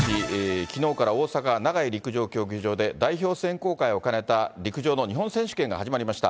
きのうから大阪・ながい陸上競技場で代表選考会を兼ねた陸上の日本選手権が始まりました。